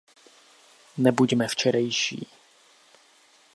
Nebuďme včerejší.